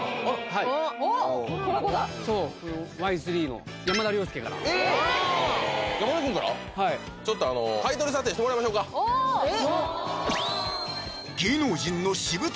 はいちょっとあの買取査定してもらいましょうかえ